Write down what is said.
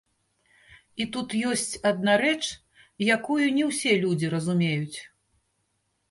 І тут ёсць адна рэч, якую не ўсе людзі разумеюць.